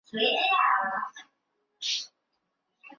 月尘可能进入月球车内部并对其设备造成破坏引发故障。